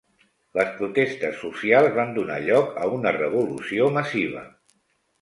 Les protestes socials van donar lloc a una revolució massiva.